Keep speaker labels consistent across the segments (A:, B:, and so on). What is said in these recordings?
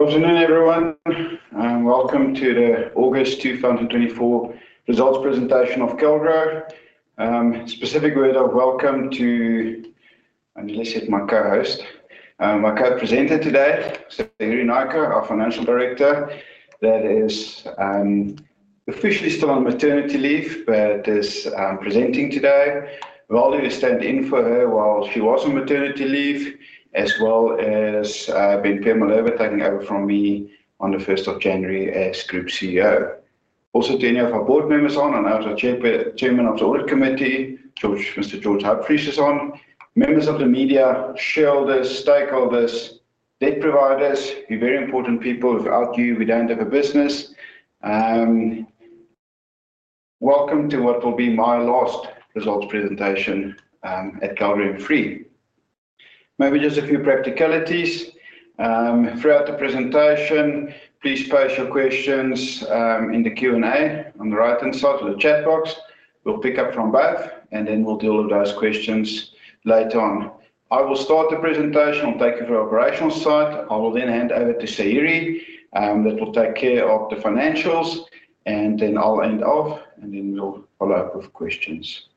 A: Good afternoon, everyone, and welcome to the August 2024 results presentation of Calgro M3. A special word of welcome to my co-host, my co-presenter today, Sayuri Naicker, our financial director, that is, officially still on maternity leave, but is presenting today, while we stand in for her while she was on maternity leave, as well as Ben-Pierre Malherbe taking over from me on the first of January as group CEO. Also, to any of our board members online and in the room, our chairman of the audit committee, George Hauptfleisch is on, members of the media, shareholders, stakeholders, debt providers, you're very important people. Without you, we don't have a business. Welcome to what will be my last results presentation at Calgro M3. Maybe just a few practicalities. Throughout the presentation, please post your questions, in the Q&A on the right-hand side of the chat box. We'll pick up from both, and then we'll deal with those questions later on. I will start the presentation. I'll take you through our operational side. I will then hand over to Sayuri, that will take care of the financials, and then I'll end off, and then we'll follow up with questions.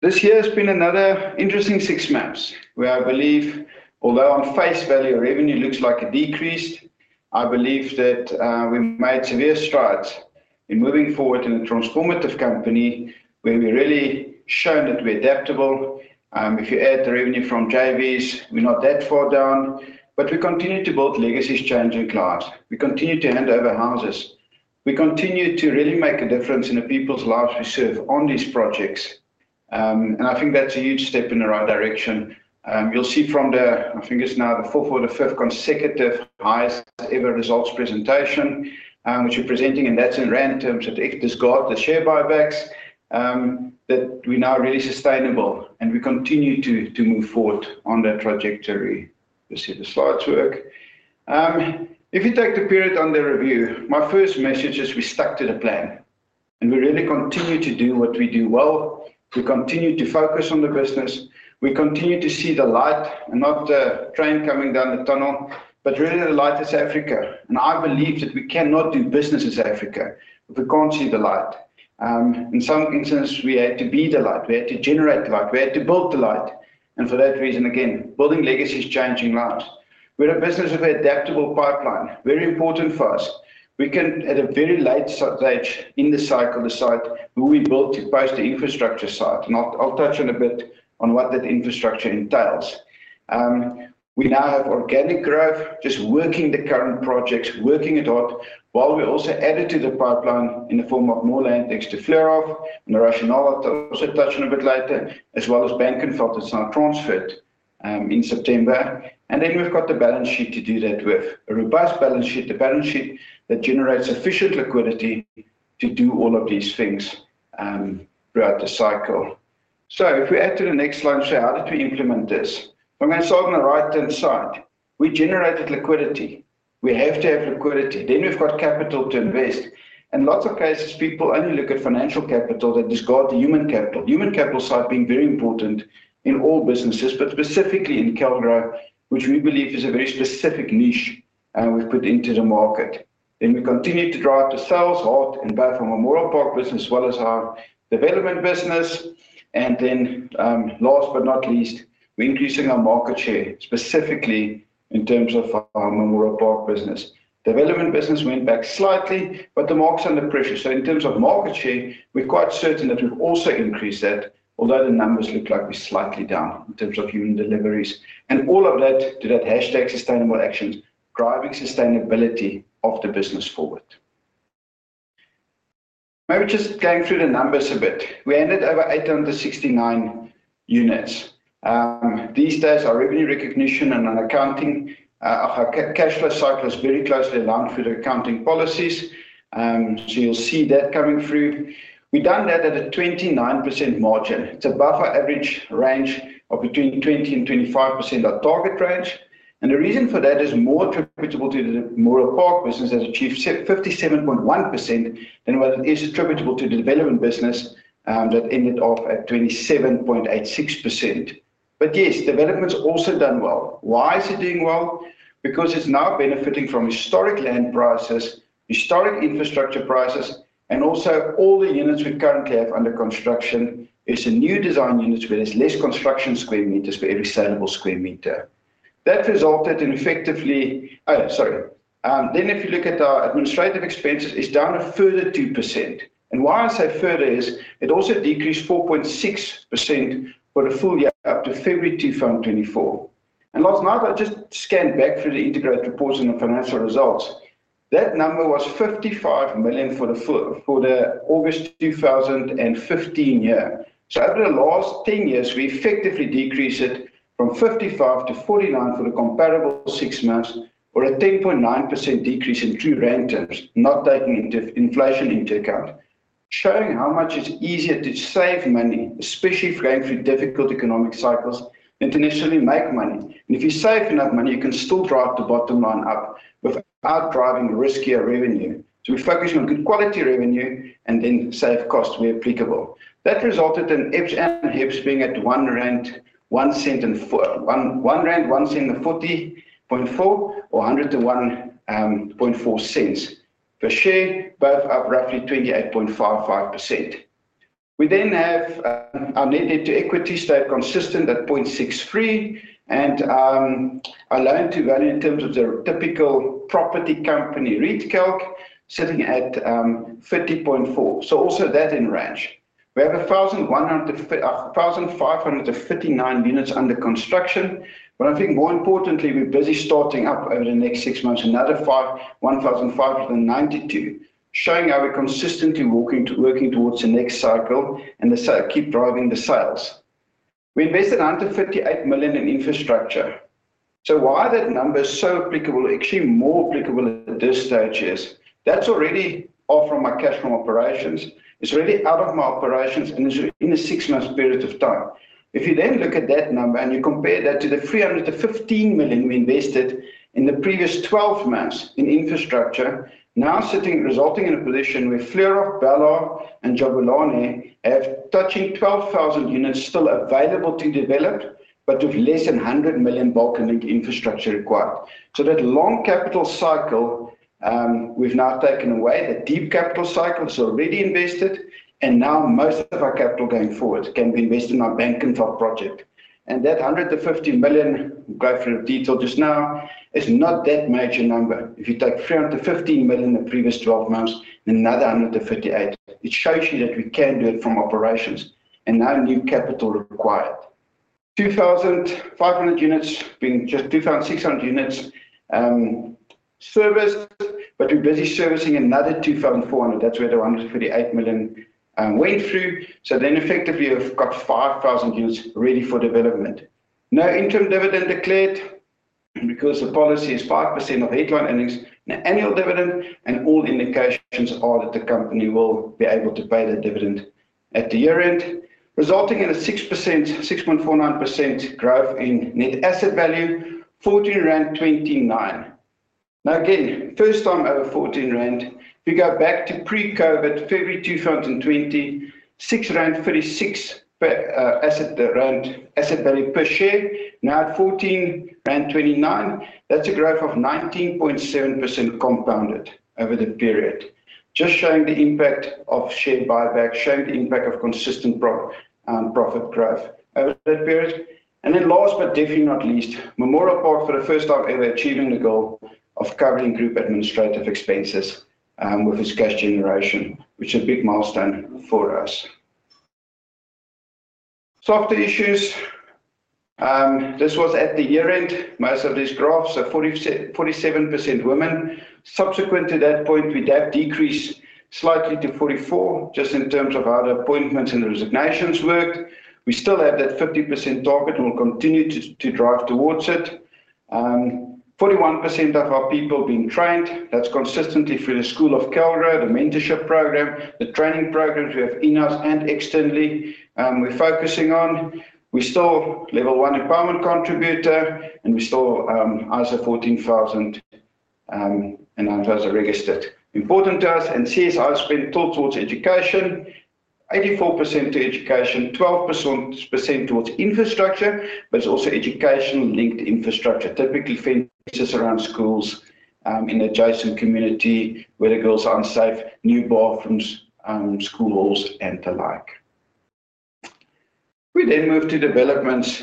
A: This year has been another interesting six months, where I believe, although on face value, our revenue looks like it decreased, I believe that, we've made severe strides in moving forward in a transformative company, where we really shown that we're adaptable. If you add the revenue from JVs, we're not that far down, but we continue to build legacies, changing lives. We continue to hand over houses. We continue to really make a difference in the people's lives we serve on these projects, and I think that's a huge step in the right direction. You'll see from the, I think it's now the fourth or the fifth consecutive highest-ever results presentation, which we're presenting, and that's in rand terms, that it disregard the share buybacks, that we're now really sustainable, and we continue to move forward on that trajectory. Let's see if the slides work. If you take the period under review, my first message is we stuck to the plan, and we really continue to do what we do well. We continue to focus on the business. We continue to see the light and not the train coming down the tunnel, but really, the light is Africa, and I believe that we cannot do business as Africa if we can't see the light. In some instances, we had to be the light. We had to generate the light. We had to build the light, and for that reason, again, building legacies, changing lives. We're a business of adaptable pipeline, very important for us. We can, at a very late stage in the cycle, the site, who we built to post the infrastructure site. Now, I'll touch on a bit on what that infrastructure entails. We now have organic growth, just working the current projects, working it out, while we also added to the pipeline in the form of more land thanks to Fleurhof, and the Rationale, I'll also touch on a bit later, as well as Frankenwald, that's now transferred in September. And then we've got the balance sheet to do that with. A robust balance sheet, a balance sheet that generates sufficient liquidity to do all of these things throughout the cycle. So if we add to the next slide, how did we implement this? We're going to start on the right-hand side. We generated liquidity. We have to have liquidity. Then we've got capital to invest. In lots of cases, people only look at financial capital that disregard the human capital. Human capital side being very important in all businesses, but specifically in Calgro, which we believe is a very specific niche we've put into the market, then we continue to drive the sales hard and back from our Memorial Park business, as well as our development business, and then, last but not least, we're increasing our market share, specifically in terms of our Memorial Park business. Development business went back slightly, but the market's under pressure, so in terms of market share, we're quite certain that we've also increased that, although the numbers look like we're slightly down in terms of unit deliveries, and all of that to that hashtag, sustainable actions, driving sustainability of the business forward. Maybe just going through the numbers a bit. We ended over 869 units. These days, our revenue recognition and an accounting, our cash flow cycle is very closely aligned with the accounting policies, so you'll see that coming through. We done that at a 29% margin. It's above our average range of between 20% and 25%, our target range. And the reason for that is more attributable to the Memorial Park business that achieved 57.1% than what it is attributable to the development business, that ended off at 27.86%. But yes, development's also done well. Why is it doing well? Because it's now benefiting from historic land prices, historic infrastructure prices, and also all the units we currently have under construction is a new design units, where there's less construction square meters for every sellable square meter. That resulted in effectively. Then if you look at our administrative expenses, it's down a further 2%. And why I say further is it also decreased 4.6% for the full year up to February 2024. And last night, I just scanned back through the integrated reports and the financial results. That number was 55 million for the August 2015 year. So over the last 10 years, we effectively decreased it from 55 million to 49 million for the comparable six months, or a 10.9% decrease in true rand terms, not taking into inflation into account. Showing how much it's easier to save money, especially if you're going through difficult economic cycles, than to necessarily make money. And if you save enough money, you can still drive the bottom line up without driving riskier revenue. We focus on good quality revenue and then save costs where applicable. That resulted in EPS and HEPS being at 1.014 rand per share, both up roughly 28.55%. We then have our net debt to equity stay consistent at 0.63, and our loan to value in terms of the typical property company, REIT calc, sitting at 50.4. So also that in range. We have 1,150,559 units under construction. But I think more importantly, we're busy starting up over the next six months another 5,1592, showing how we're consistently working to, working towards the next cycle and the sale, keep driving the sales. We invested 158 million in infrastructure. So why that number is so applicable, actually more applicable at this stage is, that's already off from my cash from operations. It's already out of my operations, and it's in a six-month period of time. If you then look at that number, and you compare that to the 315 million we invested in the previous twelve months in infrastructure, now sitting, resulting in a position where Fleurhof, Belhar, and Jabulani have touching 12,000 units still available to develop, but with less than 100 million bulk and link infrastructure required. So that long capital cycle, we've now taken away. The deep capital cycle is already invested, and now most of our capital going forward can be invested in our Frankenwald project. And that 150 million, go through the detail just now, is not that major number. If you take 315 million in the previous twelve months, another 158 million, it shows you that we can do it from operations and no new capital required. 2,500 units, being just 2,600 units, serviced, but we're busy servicing another 2,400. That's where the 158 million went through. So then effectively, we've got 5,000 units ready for development. No interim dividend declared because the policy is 5% of headline earnings, an annual dividend, and all indications are that the company will be able to pay the dividend at the year-end, resulting in a 6%, 6.49% growth in net asset value, 14.29 rand. Now, again, first time over fourteen rand, if you go back to pre-COVID, February 2020, 6.36 per asset value per share. Now at 14.29 rand, that's a growth of 19.7% compounded over the period. Just showing the impact of share buyback, showing the impact of consistent profit growth over that period. And then last, but definitely not least, Memorial Park, for the first time ever, achieving the goal of covering group administrative expenses with its cash generation, which is a big milestone for us. Softer issues. This was at the year-end. Most of these graphs are 47% women. Subsequent to that point, we have decreased slightly to 44%, just in terms of how the appointments and the resignations worked. We still have that 50% target, and we'll continue to drive towards it. 41% of our people being trained, that's consistently through the School of Calgro, the mentorship program, the training programs we have in-house and externally, we're focusing on. We're still level one empowerment contributor, and we're still ISO 14000 and ISO registered. Important to us, and CSI spend tilt towards education, 84% to education, 12% towards infrastructure, but it's also education linked infrastructure, typically fences around schools, in adjacent community where the girls are unsafe, new bathrooms, schools, and the like. We then move to developments,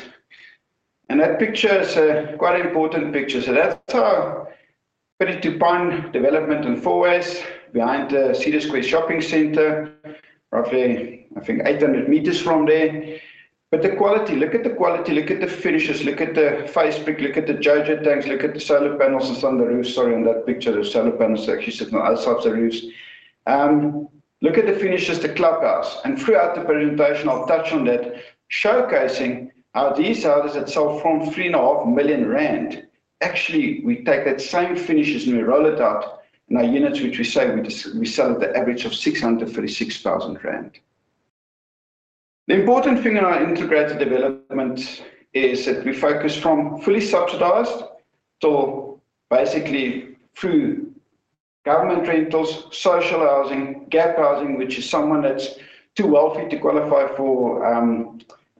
A: and that picture is a quite important picture. So that's our 32 on Pine development in Fourways, behind the Cedar Square Shopping Center, roughly, I think, 800 meters from there. But the quality, look at the quality, look at the finishes, look at the face brick, look at the jojo tanks, look at the solar panels that's on the roof. Sorry, in that picture, the solar panels are actually sitting on other sides of the roofs. Look at the finishes, the clubhouse, and throughout the presentation, I'll touch on that, showcasing how these houses that sell from 3.5 million rand. Actually, we take that same finishes, and we roll it out in our units, which we say we sell at the average of 636,000 rand. The important thing in our integrated development is that we focus from fully subsidized to basically through government rentals, social housing, gap housing, which is someone that's too wealthy to qualify for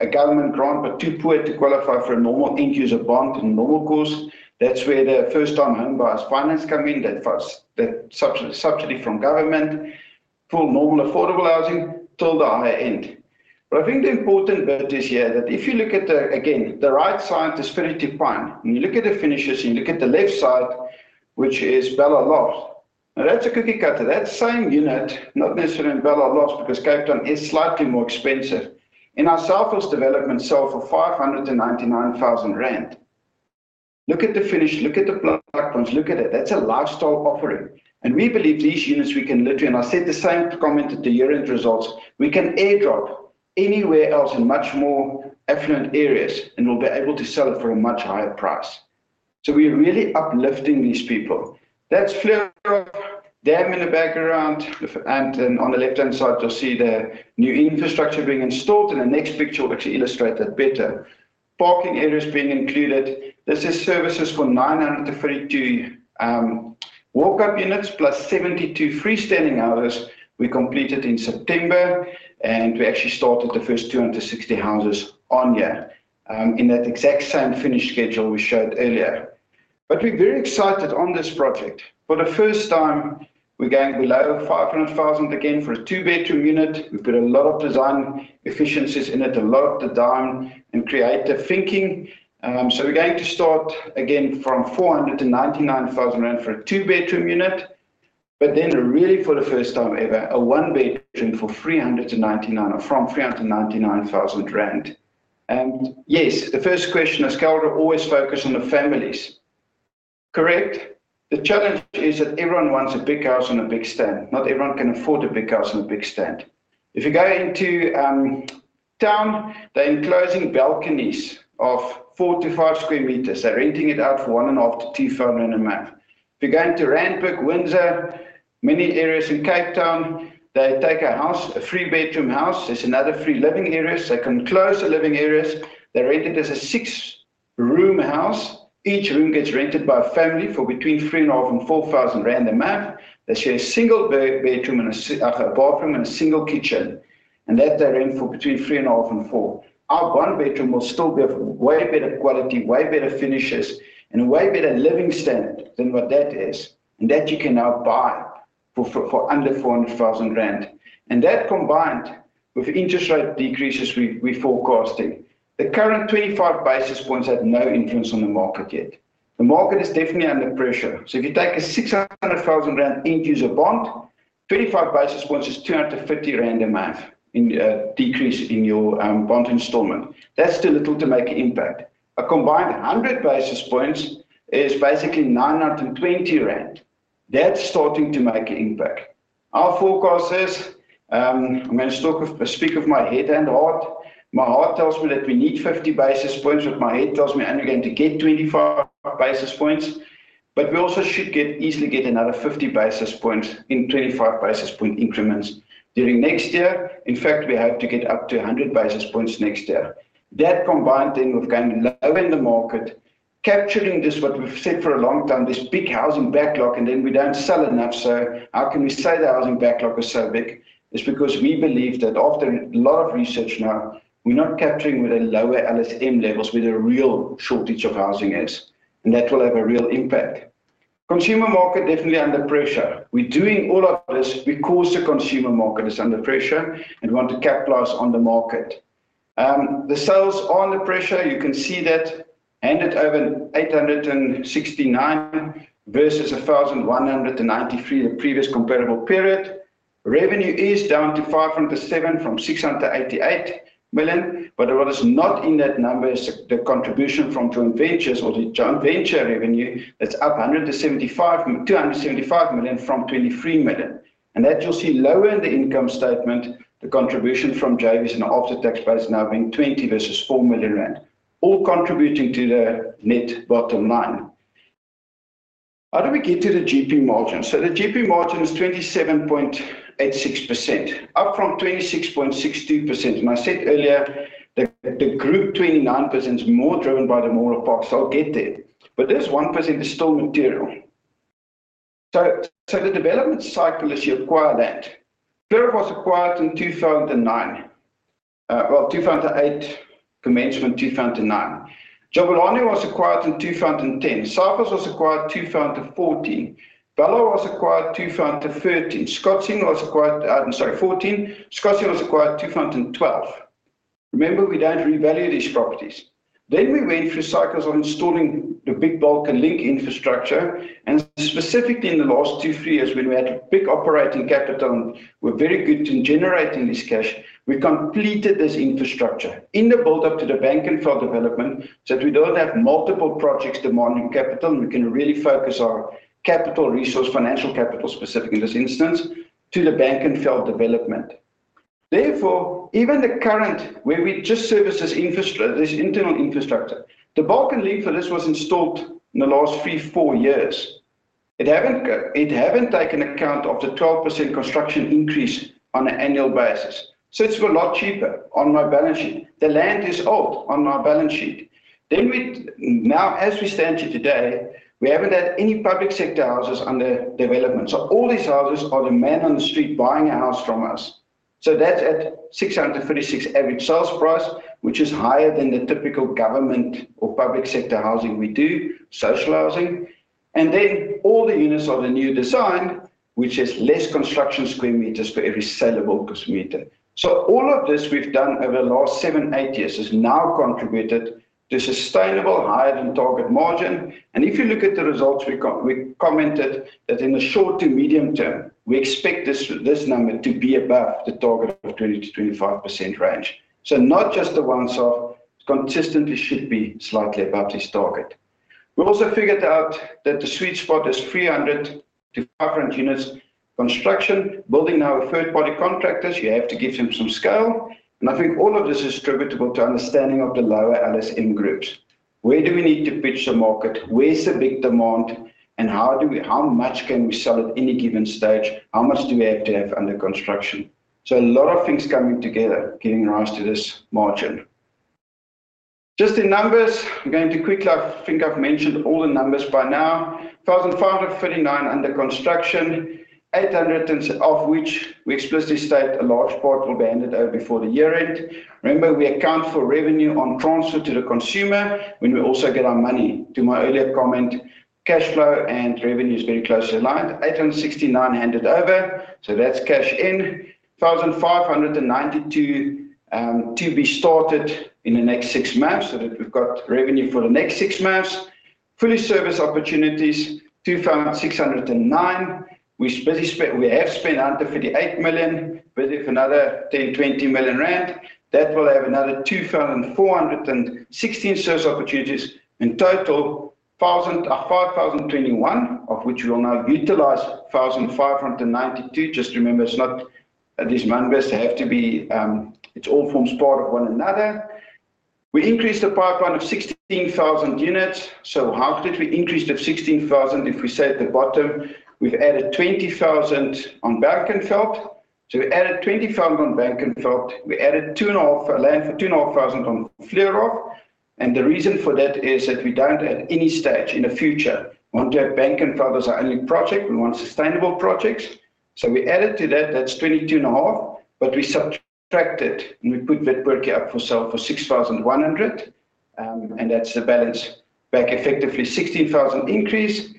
A: a government grant, but too poor to qualify for a normal end-user bond in normal course. That's where the first-time home buyers finance come in, that first, that sub-subsidy from government, for normal, affordable housing till the higher end. I think the important bit is here, that if you look at the, again, the right side is Pretty Pine. When you look at the finishes, you look at the left side, which is Belhar. Now, that's a cookie cutter. That same unit, not necessarily in Belhar, because Cape Town is slightly more expensive. In our Southwest development, sell for 599,000 rand. Look at the finish, look at the platforms, look at it. That's a lifestyle offering. We believe these units, we can literally, and I said the same comment at the year-end results, we can airdrop anywhere else in much more affluent areas, and we'll be able to sell it for a much higher price. We're really uplifting these people. That's Fleurhof, dam in the background, and then on the left-hand side, you'll see the new infrastructure being installed. In the next picture, we'll actually illustrate that better. Parking areas being included. This is services for nine hundred and thirty-two walk-up units, plus seventy-two freestanding houses we completed in September, and we actually started the first two hundred and sixty houses on here, in that exact same finish schedule we showed earlier, but we're very excited on this project. For the first time, we're going below 500,000 again for a two-bedroom unit. We've got a lot of design efficiencies in it, a lot of the design and creative thinking. So we're going to start again from 400,000-499,000 rand for a two-bedroom unit, but then really for the first time ever, a one-bedroom for 399,000, or from 399,000 rand. Yes, the first question is, Calgro always focus on the families. Correct. The challenge is that everyone wants a big house on a big stand. Not everyone can afford a big house on a big stand. If you go into town, they're enclosing balconies of 4-5 square meters. They're renting it out for 1,500-2,000 a month. If you go into Randburg, Windsor, many areas in Cape Town, they take a house, a three-bedroom house, there's another three living areas. They can close the living areas. They rent it as a six-room house. Each room gets rented by a family for between 3,500 and 4,000 rand a month. They share a single bedroom and a bathroom and a single kitchen, and that they rent for between 3,500 and 4,000. Our one bedroom will still be of way better quality, way better finishes, and a way better living standard than what that is, and that you can now buy for under 400,000 rand, and that, combined with interest rate decreases, we forecasted. The current 25 basis points had no influence on the market yet. The market is definitely under pressure. So if you take a 600,000 rand end user bond, 25 basis points is 250 rand a month in decrease in your bond installment. That's too little to make an impact. A combined 100 basis points is basically 920 rand. That's starting to make an impact. Our forecast is, I'm gonna talk, speak of my head and heart. My heart tells me that we need 50 basis points, but my head tells me I'm only going to get 25 basis points. But we also should get, easily get another 50 basis points in 25 basis point increments during next year. In fact, we have to get up to 100 basis points next year. That, combined in with going lower in the market, capturing this, what we've said for a long time, this big housing backlog, and then we don't sell enough. So how can we say the housing backlog is so big? It's because we believe that after a lot of research now, we're not capturing with the lower LSM levels, where the real shortage of housing is, and that will have a real impact. Consumer market definitely under pressure. We're doing all of this because the consumer market is under pressure, and we want to capitalize on the market. The sales are under pressure. You can see that ended over 869 versus 1,193, the previous comparable period. Revenue is down to 507 million from 688 million. But what is not in that number is the contribution from joint ventures or the joint venture revenue. That's up 175, 275 million from 23 million. And that you'll see lower in the income statement, the contribution from JVs and after-tax basis now being 20 versus 4 million rand, all contributing to the net bottom line. How do we get to the GP margin? So the GP margin is 27.86%, up from 26.62%. And I said earlier, the group 29% is more driven by the memorial parks. I'll get there, but this 1% is still material. So the development cycle, as you acquire that. Fleurhof was acquired in two thousand and nine, well, two thousand and eight, commencement two thousand and nine. Jabulani was acquired in two thousand and ten. South Hills was acquired two thousand and fourteen. Belhar was acquired two thousand and thirteen. Scottsdene was acquired fourteen. Scottsdene was acquired two thousand and twelve. Remember, we don't revalue these properties. Then we went through cycles of installing the big bulk and link infrastructure, and specifically in the last two, three years, when we had big operating capital, and we're very good in generating this cash. We completed this infrastructure in the build-up to the Frankenwald development, so that we don't have multiple projects demanding capital, and we can really focus our capital resource, financial capital, specifically in this instance, to the Frankenwald development. Therefore, even the current, where we just service this internal infrastructure, the bulk and link for this was installed in the last three, four years. It haven't taken account of the 12% construction increase on an annual basis. So it's a lot cheaper on my balance sheet. The land is old on my balance sheet. Now, as we stand here today, we haven't had any public sector houses under development. So all these houses are the man on the street buying a house from us. So that's at 636 average sales price, which is higher than the typical government or public sector housing we do, social housing. And then all the units are the new design, which is less construction square meters for every sellable square meter. So all of this we've done over the last 7-8 years has now contributed to sustainable higher-than-target margin. And if you look at the results, we commented that in the short to medium term, we expect this number to be above the target of 20%-25% range. Not just the one-off, consistently should be slightly above this target. We also figured out that the sweet spot is 300-500 units construction. Building our third-party contractors, you have to give them some scale. And I think all of this is attributable to understanding of the lower LSM groups. Where do we need to pitch the market? Where is the big demand, and how do we--how much can we sell at any given stage? How much do we have to have under construction? So a lot of things coming together, giving rise to this margin. Just the numbers, I'm going to quickly. I think I've mentioned all the numbers by now. 1,539 under construction, 800 units of which we explicitly state a large part will be handed over before the year end. Remember, we account for revenue on transfer to the consumer, when we also get our money. To my earlier comment, cash flow and revenue is very closely aligned. 869 handed over, so that's cash in. 1,592 to be started in the next six months, so that we've got revenue for the next six months. Fully serviced opportunities, 2,609. We basically have spent under 58 million, but if another 10-20 million rand, that will have another 2,416 serviced opportunities. In total, 5,021, of which we will now utilize 1,592. Just remember, it's not these numbers have to be, it all forms part of one another. We increased the pipeline of 16,000 units, so how could we increase to 16,000 if we say at the bottom, we've added 20,000 on Frankenwald? So we added 20,000 on Frankenwald. We added two and a half, land for 2,500 on Fleurhof, and the reason for that is that we don't at any stage in the future want to have Frankenwald as our only project. We want sustainable projects. So we added to that, that's 22.5, but we subtracted, and we put Witpoortjie up for sale for 6,100, and that's the balance. Back effectively, 16,000 increase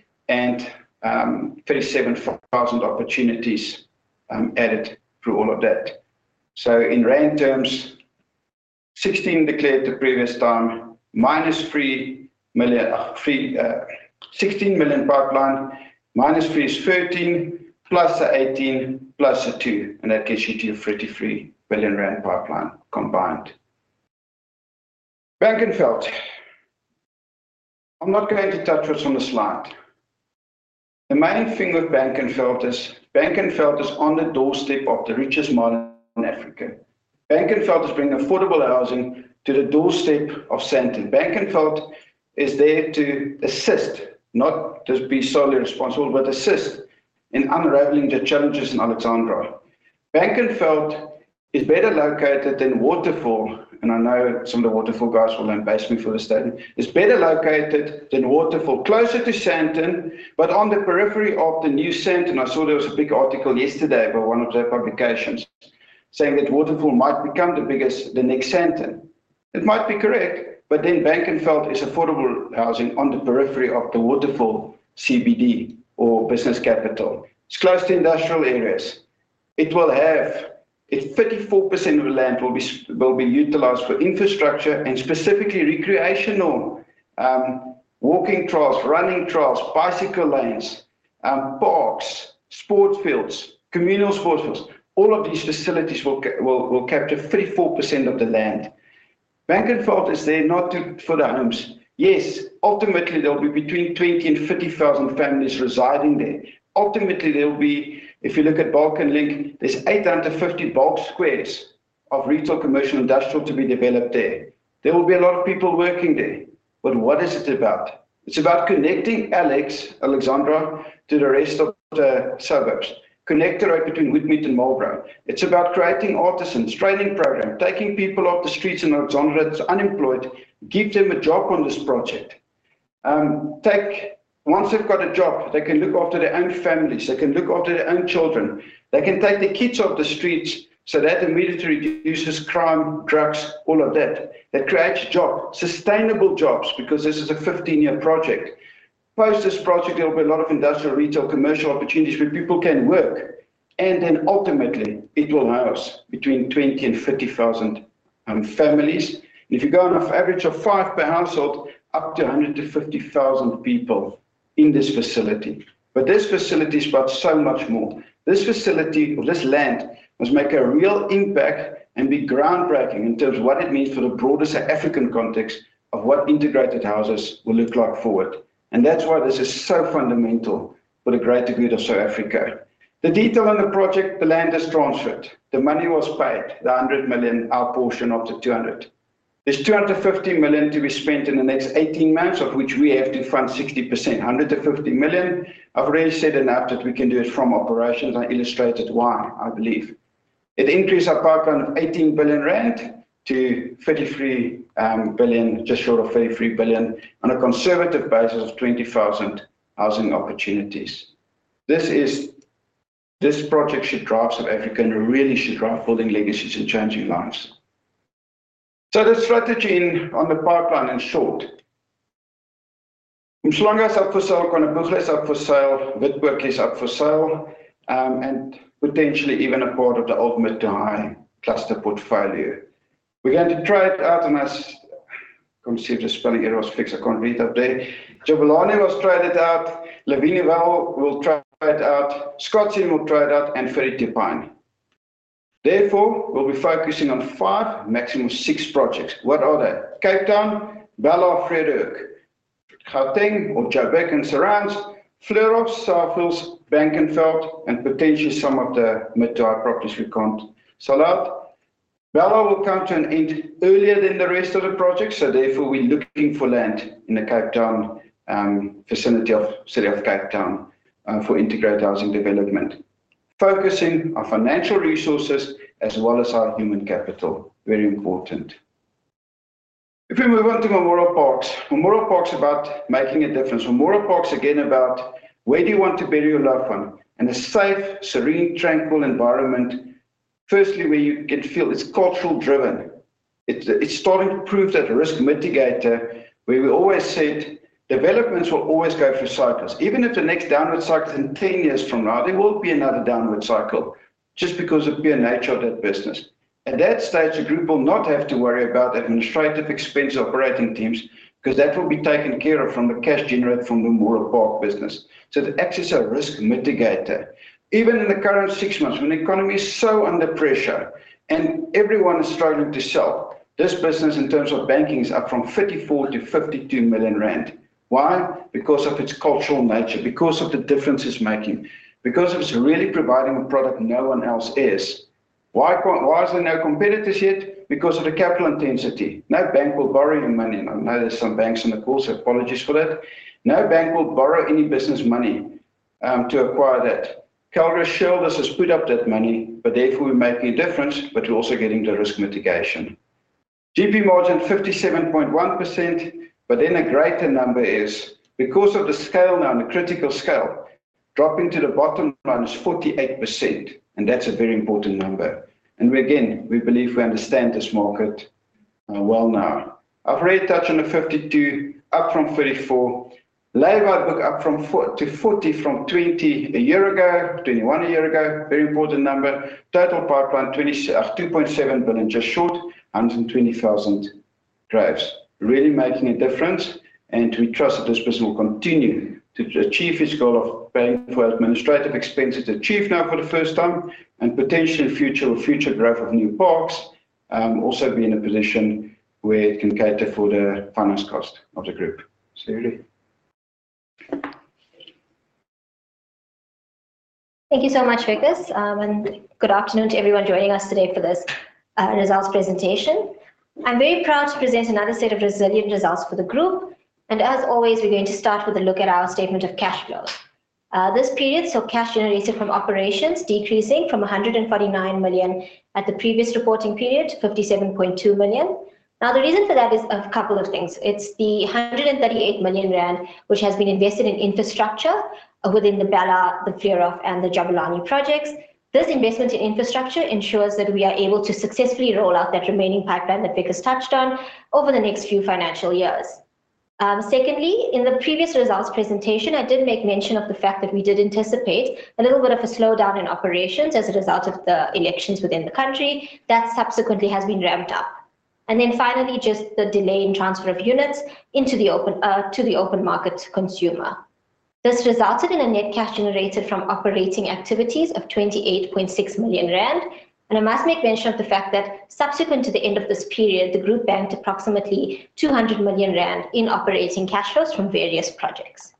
A: and 37,000 opportunities added through all of that. In rand terms, 16 declared the previous time, minus 3 million, 16 million pipeline, minus 3 is 13, plus the 18, plus the 2, and that gets you to your 33 billion rand pipeline combined. Frankenwald. I'm not going to touch what's on the slide. The main thing with Frankenwald is, Frankenwald is on the doorstep of the richest mine in Africa. Frankenwald is bringing affordable housing to the doorstep of Sandton. Frankenwald is there to assist, not just be solely responsible, but assist in unraveling the challenges in Alexandra. Frankenwald is better located than Waterfall, and I know some of the Waterfall guys will then bash me for this statement. It's better located than Waterfall, closer to Sandton, but on the periphery of the new Sandton. I saw there was a big article yesterday by one of their publications, saying that Waterfall might become the biggest, the next Sandton. It might be correct, but then Frankenwald is affordable housing on the periphery of the Waterfall CBD or business capital. It's close to industrial areas. It will have. 34% of the land will be utilized for infrastructure and specifically recreational, walking trails, running trails, bicycle lanes, parks, sports fields, communal sports fields, all of these facilities will capture 34% of the land. Frankenwald is there not to fill the homes. Yes, ultimately, there will be between 20 and 50 thousand families residing there. Ultimately, there will be, if you look at bulk and link, there's 850 bulk sq m of retail, commercial, industrial to be developed there. There will be a lot of people working there, but what is it about? It's about connecting Alex, Alexandra, to the rest of the suburbs. Connect the road between Woodmead and Marlboro. It's about creating artisans, training program, taking people off the streets in Alexandra that's unemployed, give them a job on this project. Once they've got a job, they can look after their own families, they can look after their own children. They can take the kids off the streets, so that immediately reduces crime, drugs, all of that. That creates jobs, sustainable jobs, because this is a fifteen-year project. Post this project, there will be a lot of industrial, retail, commercial opportunities where people can work, and then ultimately, it will house between twenty and fifty thousand families. If you go on an average of five per household, up to 150,000 people in this facility. But this facility is about so much more. This facility or this land must make a real impact and be groundbreaking in terms of what it means for the broader South African context of what integrated houses will look like forward. And that's why this is so fundamental for the greater good of South Africa. The detail on the project, the land is transferred. The money was paid, the 100 million, our portion of the 200. There's 250 million to be spent in the next 18 months, of which we have to fund 60%, 150 million. I've already said enough that we can do it from operations. I illustrated why, I believe. It increased our pipeline of 18 billion rand to 33 billion, just short of 33 billion, on a conservative basis of 20,000 housing opportunities. This project should drive South Africa, and really should drive building legacies and changing lives, so the strategy in on the pipeline, in short. Umhlanga is up for sale, KwaNobuhle is up for sale, Witpoortjie is up for sale, and potentially even a part of the ultimate high cluster portfolio. We're going to trade it out, and come see if the spelling errors fixed. I can't read up there. Jabulani was traded out, La Vie Nouvelle will trade out, Scottsdene will trade out, and Fleurhof. Therefore, we'll be focusing on five, maximum of six projects. What are they? Cape Town, Belhar, Gauteng, or Joburg and surrounds, Fleurhof, South Hills, Frankenwald, and potentially some of the mid-tier properties we can't sell out. Belhar will come to an end earlier than the rest of the projects, so therefore, we're looking for land in the Cape Town, vicinity of city of Cape Town, for integrated housing development. Focusing our financial resources as well as our human capital, very important. If we move on to Memorial Parks, Memorial Parks is about making a difference. Memorial Parks, again, about where do you want to bury your loved one? In a safe, serene, tranquil environment, firstly, where you can feel it's cultural driven. It's starting to prove that risk mitigator, where we always said developments will always go through cycles. Even if the next downward cycle is in ten years from now, there will be another downward cycle, just because of the pure nature of that business. At that stage, the group will not have to worry about administrative expense operating teams, because that will be taken care of from the cash generated from the Memorial Park business. So it acts as a risk mitigator. Even in the current six months, when the economy is so under pressure and everyone is struggling to sell, this business in terms of banking is up from 54 to 52 million rand. Why? Because of its cultural nature, because of the difference it's making, because it's really providing a product no one else is. Why can't-- Why is there no competitors yet? Because of the capital intensity. No bank will borrow you money. I know there are some banks in the course, apologies for that. No bank will borrow any business money to acquire that. Calgro shareholders has put up that money, but therefore we're making a difference, but we're also getting the risk mitigation. GP margin 57.1%, but then a greater number is because of the scale now, the critical scale, dropping to the bottom line is 48%, and that's a very important number. Again, we believe we understand this market well now. I've already touched on the 52, up from 34. Lay-by book up from to 40 from 20 a year ago, 21 a year ago, very important number. Total pipeline, 2.7 billion, just short, 120,000 drives. Really making a difference, and we trust that this business will continue to achieve its goal of paying for administrative expenses, achieved now for the first time, and potentially future growth of new parks, also be in a position where it can cater for the finance cost of the group. Sayuri? Thank you so much, Wikus. Good afternoon to everyone joining us today for this results presentation. I'm very proud to present another set of resilient results for the group, and as always, we're going to start with a look at our statement of cash flows. This period, cash generated from operations decreasing from 149 million at the previous reporting period to 57.2 million. Now, the reason for that is a couple of things. It's the 138 million rand, which has been invested in infrastructure within the Belhar, the Fleurhof, and the Jabulani projects. This investment in infrastructure ensures that we are able to successfully roll out that remaining pipeline that Wikus touched on over the next few financial years. Secondly, in the previous results presentation, I did make mention of the fact that we did anticipate a little bit of a slowdown in operations as a result of the elections within the country. That subsequently has been ramped up. And then finally, just the delay in transfer of units into the open, to the open market consumer. This resulted in a net cash generated from operating activities of 28.6 million rand, and I must make mention of the fact that subsequent to the end of this period, the group banked approximately 200 million rand in operating cash flows from various projects.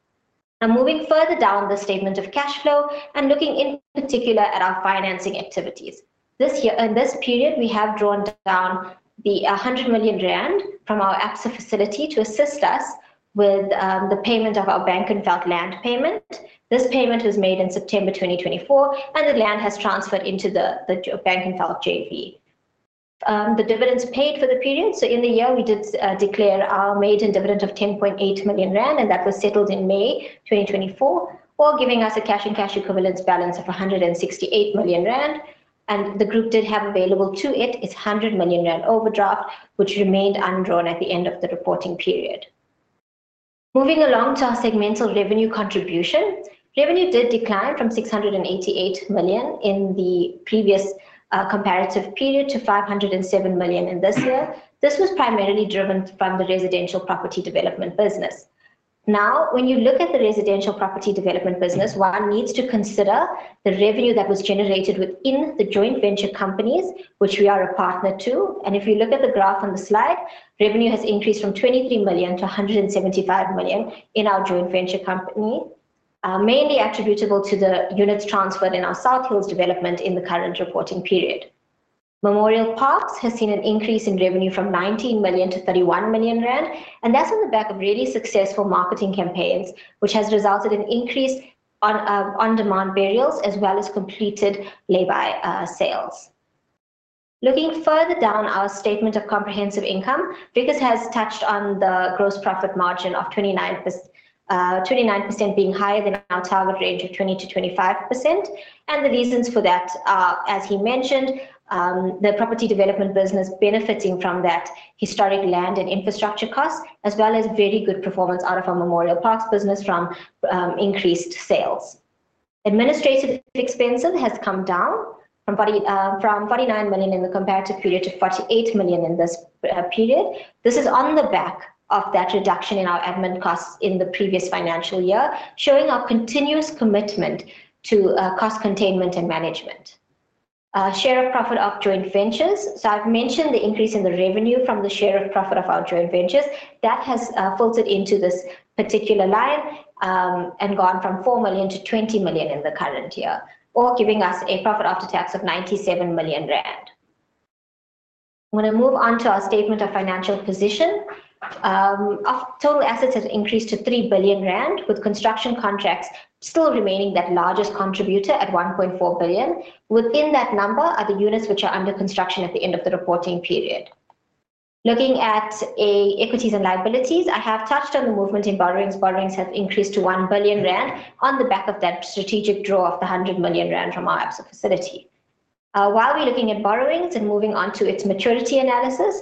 A: Now, moving further down the statement of cash flow and looking in particular at our financing activities. This year, in this period, we have drawn down 100 million rand from our Absa facility to assist us with the payment of our Frankenwald land payment. This payment was made in September 2024, and the land has transferred into the Frankenwald JV. The dividends paid for the period, so in the year, we did declare our maiden dividend of 10.8 million rand, and that was settled in May 2024, all giving us a cash and cash equivalents balance of 168 million rand, and the group did have available to it, its 100 million rand overdraft, which remained undrawn at the end of the reporting period. Moving along to our segmental revenue contribution. Revenue did decline from 688 million in the previous comparative period to 507 million in this year. This was primarily driven from the residential property development business. Now, when you look at the residential property development business, one needs to consider the revenue that was generated within the joint venture companies, which we are a partner to. If you look at the graph on the slide, revenue has increased from 23 million to 175 million in our joint venture company, mainly attributable to the units transferred in our South Hills development in the current reporting period. Memorial Parks has seen an increase in revenue from 19 million to 31 million rand, and that's on the back of really successful marketing campaigns, which has resulted in increased on-demand burials as well as completed lay-by sales. Looking further down our statement of comprehensive income, Wikus has touched on the gross profit margin of 29%., 29% being higher than our target range of 20%-25%. And the reasons for that are, as he mentioned, the property development business benefiting from that historic land and infrastructure costs, as well as very good performance out of our Memorial Parks business from, increased sales. Administrative expenses has come down from 49 million in the comparative period to 48 million in this period. This is on the back of that reduction in our admin costs in the previous financial year, showing our continuous commitment to cost containment and management. Share of profit of joint ventures. So I've mentioned the increase in the revenue from the share of profit of our joint ventures. That has filtered into this particular line, and gone from 4 million to 20 million in the current year, all giving us a profit after tax of 97 million rand. I'm gonna move on to our statement of financial position. Our total assets have increased to 3 billion rand, with construction contracts still remaining that largest contributor at 1.4 billion. Within that number are the units which are under construction at the end of the reporting period. Looking at equities and liabilities, I have touched on the movement in borrowings. Borrowings have increased to 1 billion rand on the back of that strategic draw of 100 million rand from our Absa facility. While we're looking at borrowings and moving on to its maturity analysis,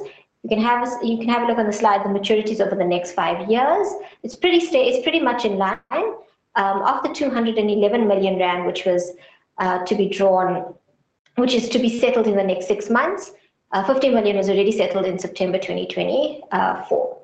A: you can have a look on the slide, the maturities over the next five years. It's pretty much in line. Of the 211 million rand, which was to be drawn, which is to be settled in the next six months, 50 million ZAR was already settled in September 2024.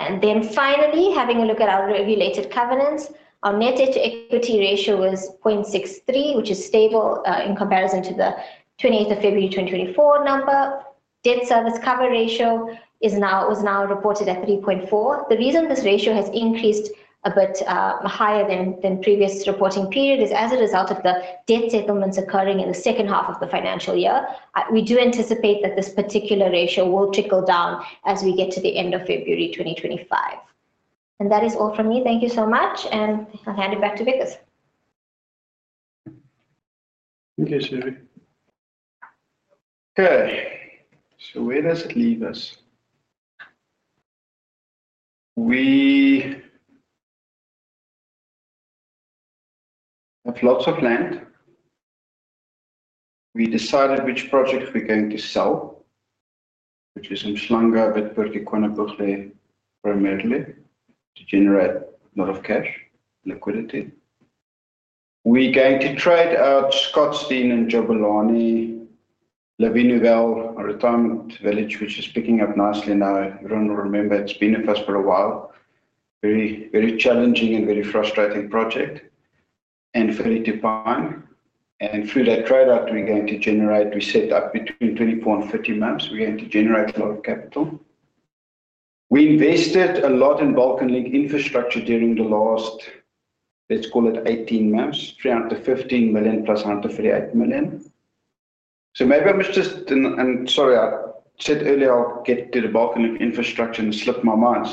A: And then finally, having a look at our regulated covenants, our net debt to equity ratio was 0.63, which is stable, in comparison to the twenty-eighth of February 2024 number. Debt service cover ratio was now reported at 3.4. The reason this ratio has increased a bit higher than previous reporting period is as a result of the debt settlements occurring in the second half of the financial year. We do anticipate that this particular ratio will trickle down as we get to the end of February 2025, and that is all from me. Thank you so much, and I'll hand it back to Wikus. Thank you, Sherry. Okay, so where does it leave us? We have lots of land. We decided which project we're going to sell, which is in Umhlanga, but partly KwaZakhele, primarily to generate a lot of cash, liquidity. We're going to trade out Scottsdene and Jabulani, La Vie Nouvelle Retirement Village, which is picking up nicely now. You don't remember, it's been with us for a while. Very, very challenging and very frustrating project, and very divine. Through that trade-out, we're going to generate. We set up between 24 and 30 months. We're going to generate a lot of capital. We invested a lot in bulk and link infrastructure during the last. Let's call it 18 months, 315 million plus 138 million. So maybe I must just... Sorry, I said earlier, I'll get to the bulk and link infrastructure and it slipped my mind.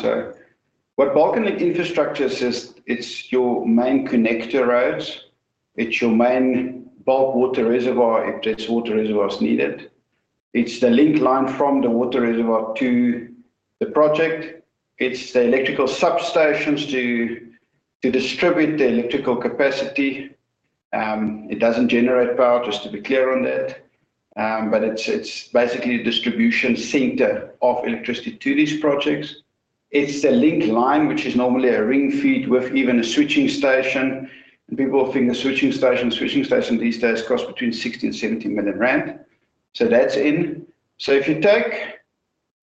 A: What bulk and link infrastructure is, it's your main connector roads, it's your main bulk water reservoir, if that water reservoir is needed. It's the link line from the water reservoir to the project. It's the electrical substations to distribute the electrical capacity. It doesn't generate power, just to be clear on that. But it's basically a distribution center of electricity to these projects. It's the link line, which is normally a ring feed with even a switching station. People think a switching station these days costs between 60 million and 70 million rand. That's in. If you take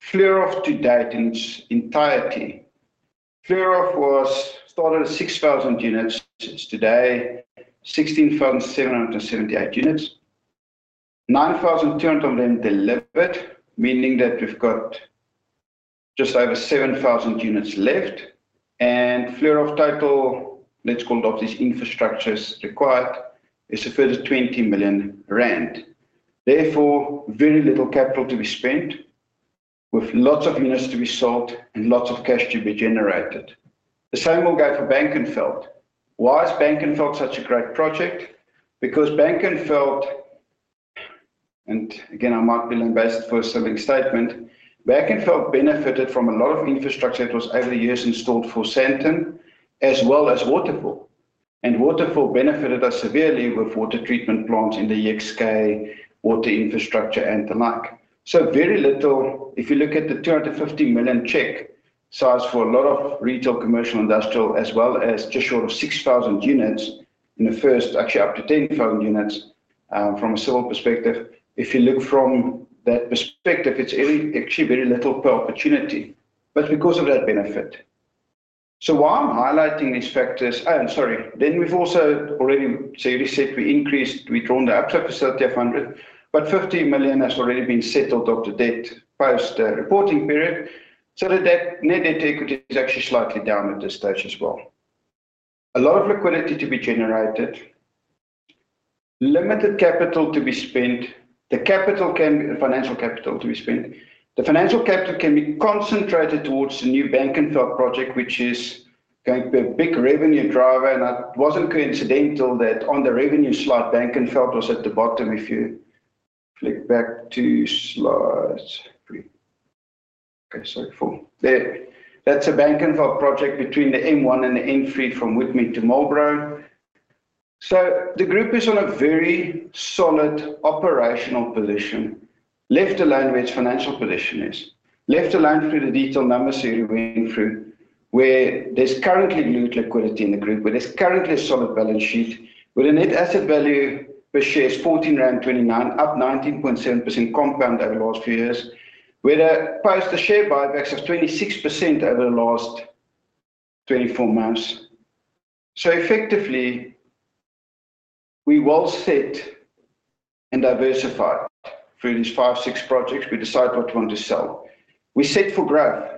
A: Fleurhof to date in its entirety, Fleurhof was started at 6,000 units. Today, sixteen thousand seven hundred and seventy-eight units, nine thousand two hundred of them delivered, meaning that we've got just over seven thousand units left. And Fleurhof total, let's call it all these infrastructures required, is a further 20 million rand. Therefore, very little capital to be spent, with lots of units to be sold and lots of cash to be generated. The same will go for Frankenwald. Why is Frankenwald such a great project? Because Frankenwald, and again, I might be lambasted for a silly statement, Frankenwald benefited from a lot of infrastructure that was over the years installed for Sandton as well as Waterfall. And Waterfall benefited us severely with water treatment plants in the Alexandra, water infrastructure, and the like. So very little, if you look at the 250 million capex size for a lot of retail, commercial, industrial, as well as just short of 6,000 units in the first. Actually, up to 10,000 units from a civil perspective. If you look from that perspective, it's very, actually very little per opportunity, but because of that benefit. So why I'm highlighting these factors. Oh, sorry. Then we've also already, Sayuri said we increased, we drawn the Absa facility of 100, but 50 million has already been settled off the debt post the reporting period. So the debt, net debt equity is actually slightly down at this stage as well. A lot of liquidity to be generated, limited capital to be spent. The capital can. Financial capital to be spent. The financial capital can be concentrated towards the new Frankenwald project, which is going to be a big revenue driver, and that wasn't coincidental, that on the revenue slide, Frankenwald was at the bottom. If you flick back to slide three. Okay, sorry, four. There. That's a Frankenwald project between the M1 and the M3 from Woodmead to Marlboro. So the group is on a very solid operational position, left align where its financial position is, left align through the detailed numbers Sayuri went through, where there's currently good liquidity in the group, where there's currently a solid balance sheet, where the net asset value per share is 14.29 rand, up 19.7% compound over the last few years, where the post the share buybacks is 26% over the last 24 months. So effectively, we well set and diversified through these five, six projects. We decide what we want to sell. We set for growth.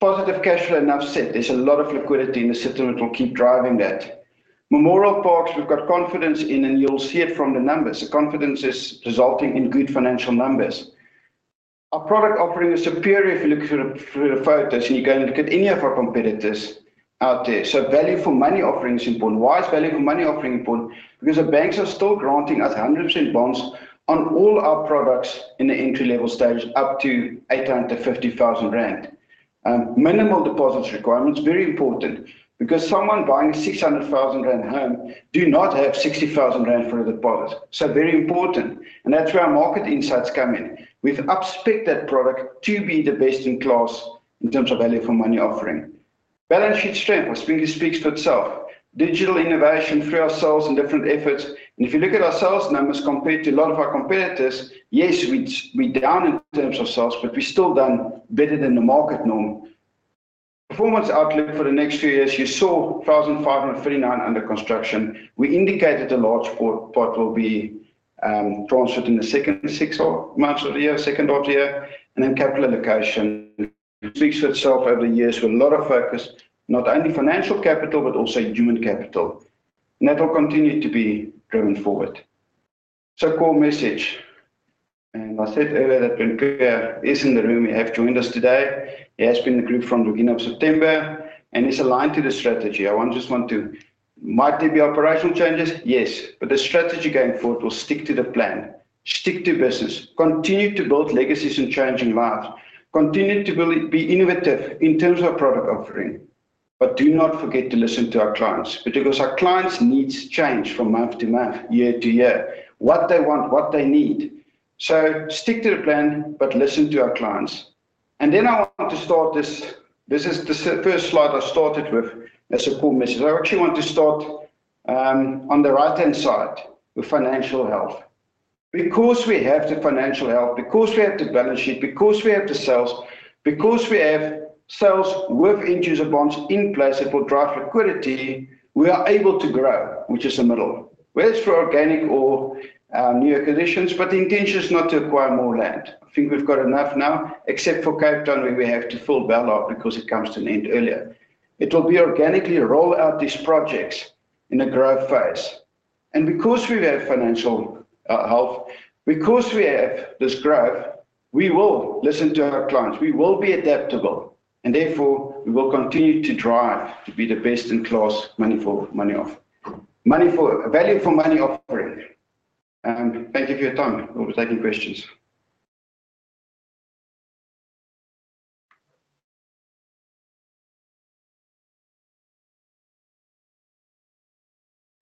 A: Positive cash flow, and I've said, there's a lot of liquidity in the system that will keep driving that. Memorial Parks, we've got confidence in, and you'll see it from the numbers. The confidence is resulting in good financial numbers. Our product offering is superior if you look through the photos, and you go and look at any of our competitors out there. So value for money offering is important. Why is value for money offering important? Because the banks are still granting us 100% bonds on all our products in the entry-level stage, up to 850,000 rand. Minimal deposits requirements, very important, because someone buying a 600,000 rand home do not have 60,000 rand for the deposit. Very important, and that's where our market insights come in. We've up-specced that product to be the best in class in terms of value for money offering. Balance sheet strength, I think, speaks for itself. Digital innovation through ourselves and different efforts, and if you look at our sales numbers compared to a lot of our competitors, yes, we down in terms of sales, but we still done better than the market norm. Performance outlook for the next two years, you saw 1,539 under construction. We indicated a large part will be transferred in the second six months of the year, second half of the year, and then capital allocation speaks for itself over the years with a lot of focus, not only financial capital, but also human capital, and that will continue to be driven forward. So, core message, and I said earlier that Renkya is in the room. He have joined us today. He has been in the group from the beginning of September, and he's aligned to the strategy. I just want to. Might there be operational changes? Yes, but the strategy going forward will stick to the plan, stick to business, continue to build legacies and changing lives, be innovative in terms of product offering, but do not forget to listen to our clients. Because our clients' needs change from month to month, year to year, what they want, what they need. So stick to the plan, but listen to our clients. And then I want to start this, this is the first slide I started with, as a core message. I actually want to start on the right-hand side with financial health. Because we have the financial health, because we have the balance sheet, because we have the sales, because we have sales with interest bonds in place that will drive liquidity, we are able to grow, which is the middle. Whether it's through organic or new acquisitions, but the intention is not to acquire more land. I think we've got enough now, except for Cape Town, where we have to fill Belhar because it comes to an end earlier. It will be organically roll out these projects in a growth phase. And because we have financial health, because we have this growth, we will listen to our clients, we will be adaptable, and therefore, we will continue to drive to be the best-in-class value for money offering. Thank you for your time. We'll be taking questions.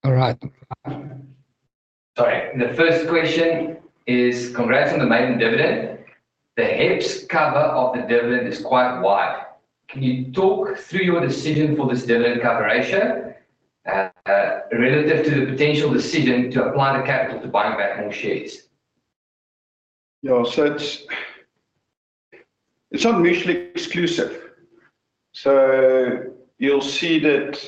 B: All right. Sorry, the first question is, congrats on the maiden dividend. The EPS cover of the dividend is quite wide. Can you talk through your decision for this dividend cover ratio relative to the potential decision to apply the capital to buying back more shares? Yeah, so it's not mutually exclusive. So you'll see that.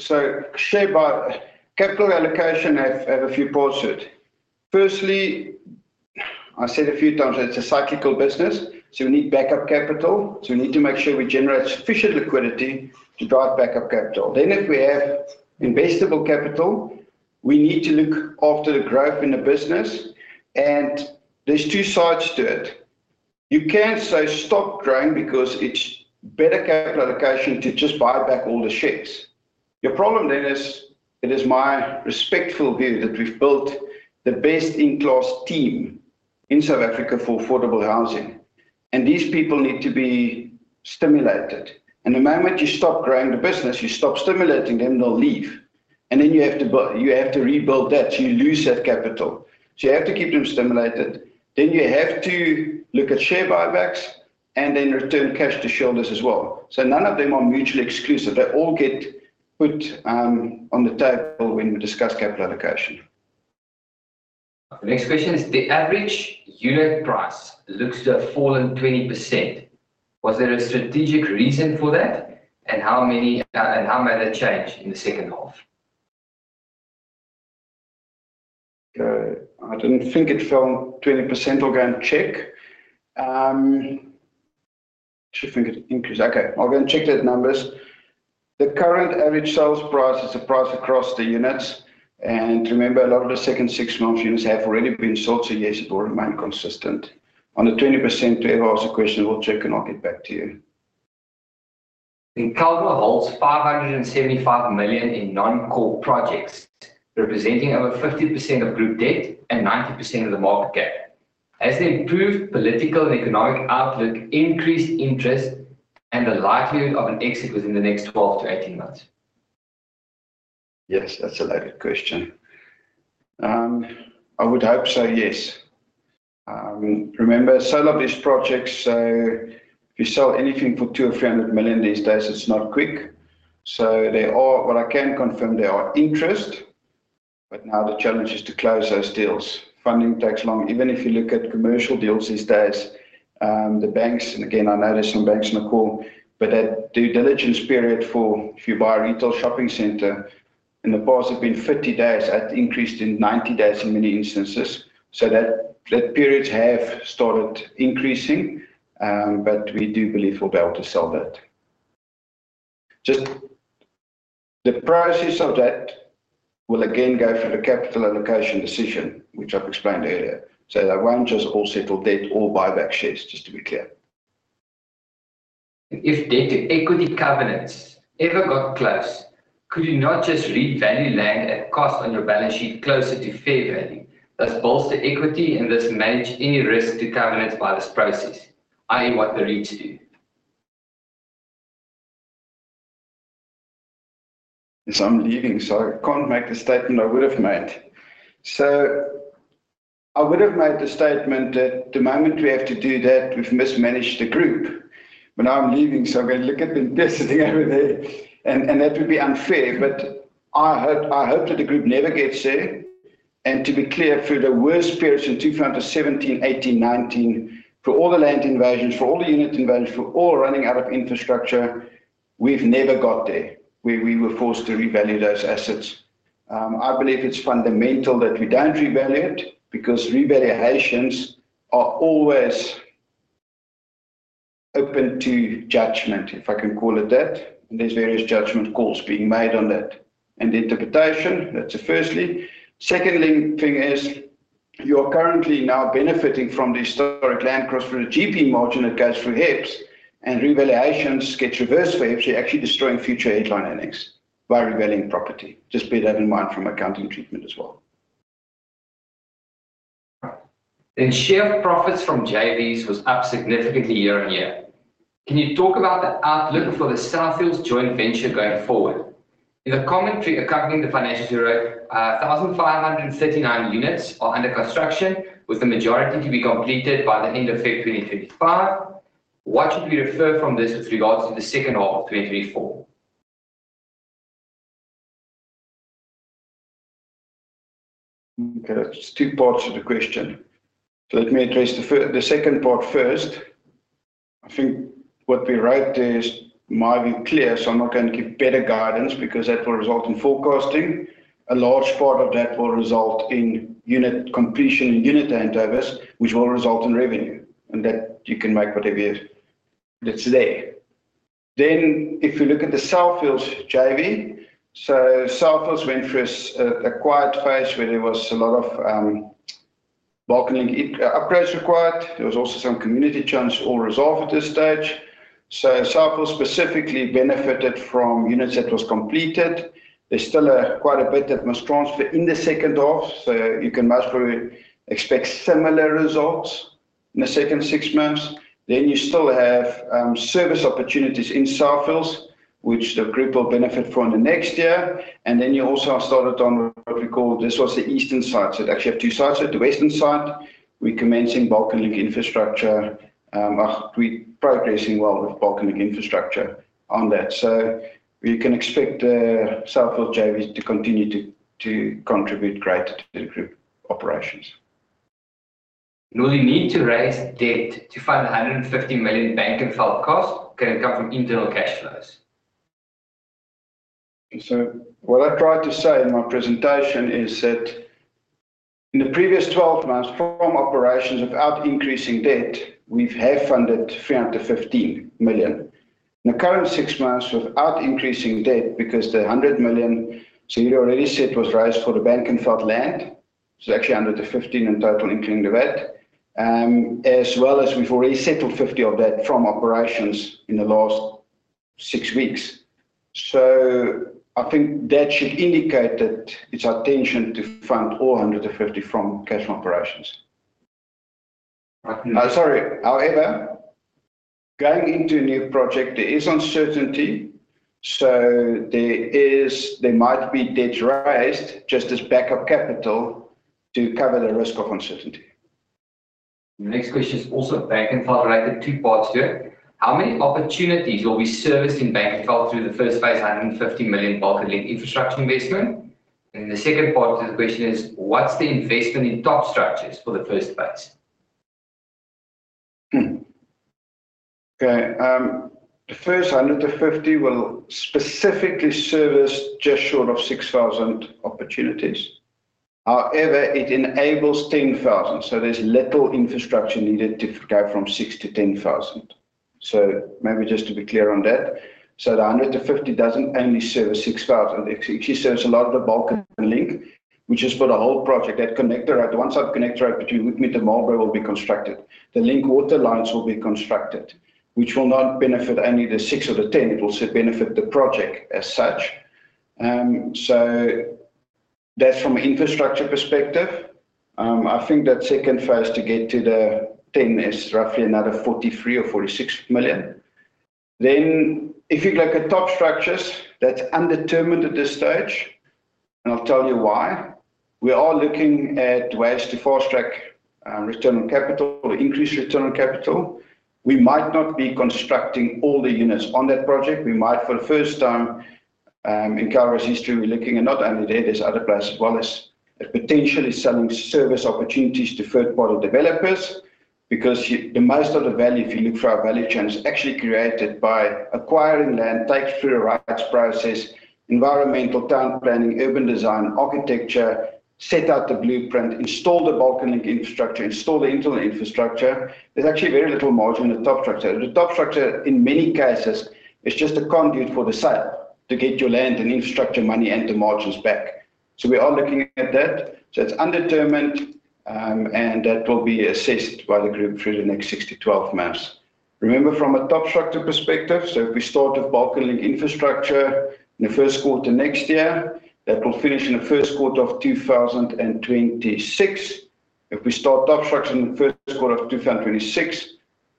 B: So share buy... Capital allocation has a few parts to it. Firstly, I said a few times, it's a cyclical business, so we need backup capital. So we need to make sure we generate sufficient liquidity to drive backup capital. Then if we have investable capital, we need to look after the growth in the business, and there's two sides to it. You can't say, "Stop growing because it's better capital allocation to just buy back all the shares." Your problem then is, it is my respectful view that we've built the best-in-class team in South Africa for affordable housing, and these people need to be stimulated. And the moment you stop growing the business, you stop stimulating them, they'll leave. And then you have to bui- you have to rebuild that, so you lose that capital. So you have to keep them stimulated. Then you have to look at share buybacks and then return cash to shareholders as well. So none of them are mutually exclusive. They all get put on the table when we discuss capital allocation. The next question is, the average unit price looks to have fallen 20%. Was there a strategic reason for that, and how might that change in the second half? I don't think it fell 20%. I'll go and check. I should think it increased. Okay, I'll go and check that numbers. The current average sales price is the price across the units, and remember, a lot of the second six-month units have already been sold, so yes, it will remain consistent. On the 20%, whoever asked the question, we'll check, and I'll get back to you. Calgo holds 575 million in non-core projects, representing over 50% of group debt and 90% of the market cap. Has the improved political and economic outlook increased interest and the likelihood of an exit within the next 12-18 months? Yes, that's a loaded question. I would hope so, yes. Remember, sale of these projects, so if you sell anything for 200-300 million these days, it's not quick. So there are interests, but now the challenge is to close those deals. Funding takes long. Even if you look at commercial deals these days, the banks, and again, I know there's some banks on the call, but that due diligence period for if you buy a retail shopping center in the past have been 50 days, that increased in 90 days in many instances. So that periods have started increasing, but we do believe we'll be able to sell that. Just the prices of that will again go through the capital allocation decision, which I've explained earlier. So they won't just all settle debt or buy back shares, just to be clear. If debt to equity covenants ever got close, could you not just revalue land at cost on your balance sheet closer to fair value, thus bolster equity, and thus manage any risk to covenants by this process, i.e., what the REITs do? Yes, I'm leaving, so I can't make the statement I would have made. So I would have made the statement that the moment we have to do that, we've mismanaged the group. But now I'm leaving, so I'm gonna look at them sitting over there, and that would be unfair, but I hope, I hope that the group never gets there. And to be clear, through the worst periods in 2017, 2018, 2019, for all the land invasions, for all the unit invasions, for all running out of infrastructure, we've never got there, where we were forced to revalue those assets. I believe it's fundamental that we don't revalue it, because revaluations are always open to judgment, if I can call it that, and there's various judgment calls being made on that, and interpretation. That's firstly. the thing is, you are currently now benefiting from the historic land cost for the GP margin that goes through HEPS, and revaluations get reversed for HEPS. You're actually destroying future HEPS by revaluing property. Just bear that in mind from accounting treatment as well. Then, share of profits from JVs was up significantly year on year. Can you talk about the outlook for the South Hills joint venture going forward? In the commentary accompanying the financial year, 1,539 units are under construction, with the majority to be completed by the end of February 2025. What should we infer from this with regards to the second half of 2024? Okay, there's two parts to the question. So let me address the second part first. I think what we wrote there is might be clear, so I'm not gonna give better guidance because that will result in forecasting. A large part of that will result in unit completion and unit handovers, which will result in revenue, and that you can make whatever is, that's there. Then if you look at the South Hills JV, so South Hills went through a quiet phase where there was a lot of bulk and link upgrades required. There was also some community challenges, all resolved at this stage. So South Hills specifically benefited from units that was completed. There's still quite a bit that must transfer in the second half, so you can mostly expect similar results in the second six months. Then you still have service opportunities in South Hills, which the group will benefit from in the next year. And then you also have started on what we call... This was the eastern side. So they actually have two sides. So the western side, we're commencing bulk and link infrastructure. We're progressing well with bulk and link infrastructure on that. So you can expect South Hills JVs to continue to contribute greatly to the group operations. Will you need to raise debt to fund 150 million Bankenveld cost, or can it come from internal cash flows? What I tried to say in my presentation is that in the previous 12 months, from operations without increasing debt, we've half-funded 350 million. In the current 6 months, without increasing debt, because the 100 million, so you already said, was raised for the Bankenveld land. So actually, 150 million in total, including the VAT, as well as we've already settled 50 million of that from operations in the last 6 weeks. So I think that should indicate that it's our intention to fund all 150 million from cash from operations. Sorry. However, going into a new project, there is uncertainty, so there might be debt raised just as backup capital to cover the risk of uncertainty. The next question is also Frankenwald-related, two parts to it. How many opportunities will be serviced in Frankenwald through the first phase, 150 million bulk and link infrastructure investment? And the second part of the question is, what's the investment in top structures for the first phase? Okay, the first 150 will specifically service just short of 6,000 opportunities. However, it enables 10,000, so there's little infrastructure needed to go from 6,000 to 10,000. So maybe just to be clear on that, so the 150 doesn't only service 6,000. It actually serves a lot of the bulk and link, which is for the whole project. That connector, the one sub-connector between Woodmead and Marlboro will be constructed. The link water lines will be constructed, which will not benefit only the six or the ten, it will also benefit the project as such. So that's from an infrastructure perspective. I think that second phase to get to the ten is roughly another 43 million or 46 million. Then if you look at top structures, that's undetermined at this stage, and I'll tell you why. We are looking at ways to fast-track return on capital or increase return on capital. We might not be constructing all the units on that project. We might, for the first time, in Calgro's history, we're looking at not only there, there's other places as well as potentially selling service opportunities to third-party developers, because you, the most of the value, if you look through our value chain, is actually created by acquiring land, take it through a rights process, environmental, town planning, urban design, architecture, set out the blueprint, install the bulk link infrastructure, install the internal infrastructure. There's actually very little margin in the top structure. The top structure, in many cases, is just a conduit for the sale to get your land and infrastructure money and the margins back. So we are looking at that. So it's undetermined, and that will be assessed by the group through the next six to twelve months. Remember, from a top structure perspective, so if we start bulk infrastructure in the first quarter next year, that will finish in the first quarter of 2026. If we start top structure in the first quarter of 2026,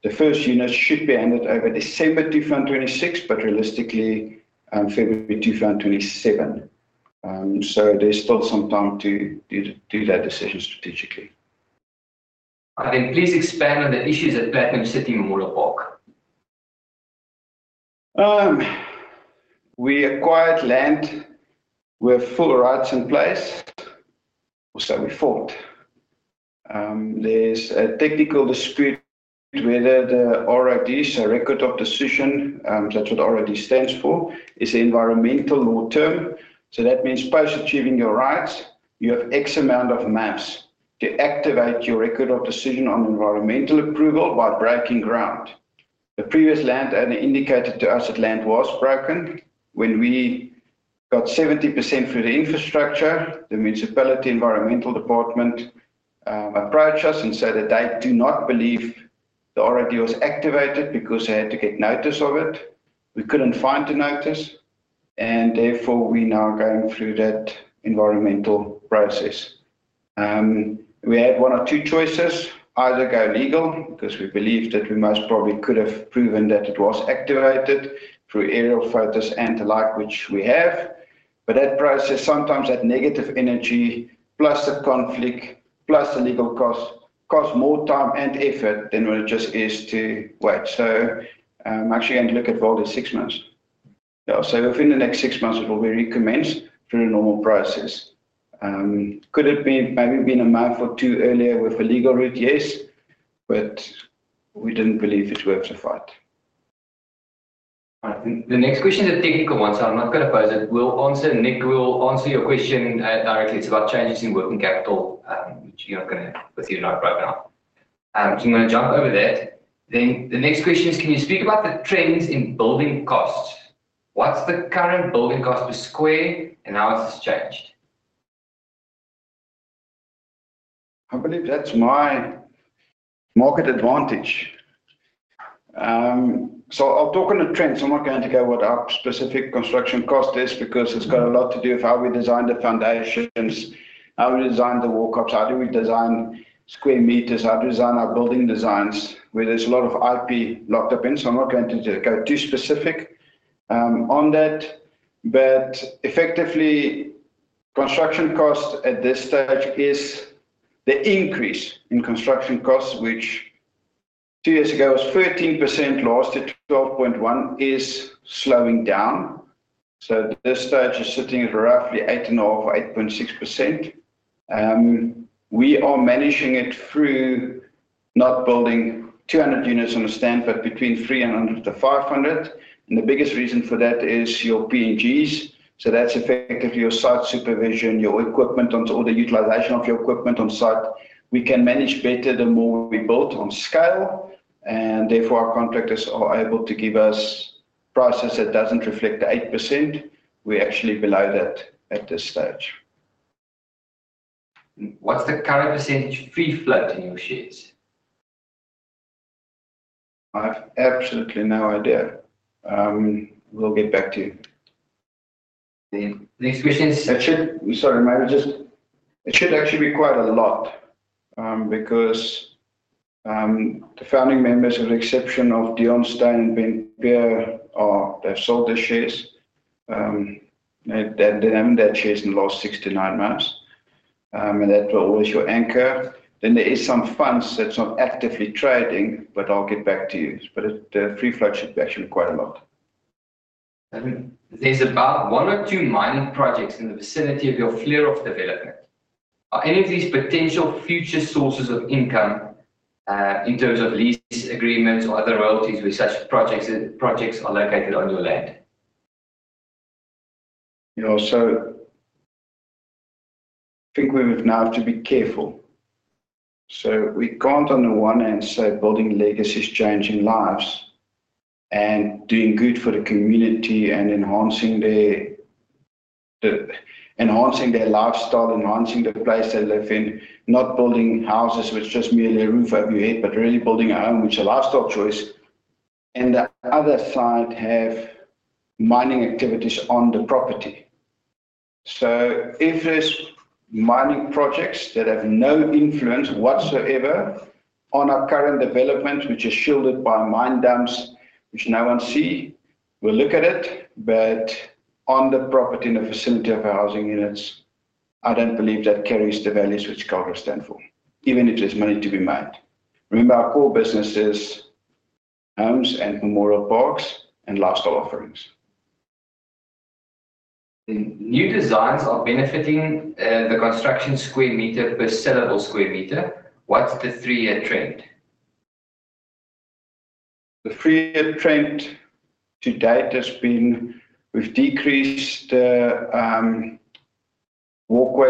B: the first unit should be handed over December 2026, but realistically, February 2027. So there's still some time to do that decision strategically. Then please expand on the issues at Nasrec Memorial Park? We acquired land with full rights in place, or so we thought. There's a technical dispute whether the ROD, so Record of Decision, that's what ROD stands for, is an environmental law term. That means post achieving your rights, you have X amount of months to activate your record of decision on environmental approval while breaking ground. The previous land owner indicated to us that land was broken. When we got 70% through the infrastructure, the municipality environmental department approached us and said that they do not believe the ROD was activated because they had to get notice of it. We couldn't find the notice, and therefore, we now going through that environmental process. We had one or two choices: either go legal, because we believed that we most probably could have proven that it was activated through aerial photos and the like, which we have. But that process, sometimes that negative energy, plus the conflict, plus the legal costs, costs more time and effort than it just is to wait, so actually going to look at about six months, so within the next six months, it will be recommenced through the normal process. Could it be maybe been a month or two earlier with a legal route? Yes, but we didn't believe it's worth the fight. All right. The next question is a technical one, so I'm not gonna pose it. We'll answer Nick, we'll answer your question directly. It's about changes in working capital, which you're not gonna with you right now, so I'm gonna jump over that, then the next question is, can you speak about the trends in building costs? What's the current building cost per square, and how has this changed? I believe that's my market advantage. So I'll talk on the trends. I'm not going to go what our specific construction cost is, because it's got a lot to do with how we design the foundations, how we design the walk-ups, how do we design square meters, how do we design our building designs, where there's a lot of IP locked up in. So I'm not going to go too specific, on that, but effectively, construction cost at this stage is the increase in construction costs, which two years ago, was 13%, last at 12.1%, is slowing down. So at this stage, it's sitting at roughly 8.5, 8.6%. We are managing it through not building 200 units on a Stand between 300 to 500, and the biggest reason for that is your P&Gs. So that's effectively your site supervision, your equipment, on to all the utilization of your equipment on site. We can manage better the more we build on scale, and therefore, our contractors are able to give us prices that doesn't reflect the 8%. We're actually below that at this stage. What's the current % free float in your shares? I've absolutely no idea. We'll get back to you. The next question is- Sorry, may I just... It should actually be quite a lot, because, the founding members, with the exception of Deon Steyn, been there, they've sold their shares, and they haven't their shares in the last sixty-nine months, and that will always your anchor. Then there is some funds that's not actively trading, but I'll get back to you. But the free float should be actually quite a lot. There's about one or two mining projects in the vicinity of your Fleurhof development. Are any of these potential future sources of income, in terms of lease agreements or other royalties, where such projects are located on your land? Yeah, so I think we would now have to be careful. So we can't, on the one hand, say, building legacy is changing lives and doing good for the community and enhancing their lifestyle, enhancing the place they live in, not building houses, which is just merely a roof over your head, but really building a home, which a lifestyle choice, and the other side have mining activities on the property. So if there's mining projects that have no influence whatsoever on our current development, which is shielded by mine dumps, which no one see, we'll look at it, but on the property, in the vicinity of our housing units, I don't believe that carries the values which Calgro stand for, even if there's money to be made. Remember, our core business is homes and memorial parks and lifestyle offerings. ... New designs are benefiting, the construction square meter per sellable square meter. What's the three-year trend? The three-year trend to date has been, we've decreased walkway,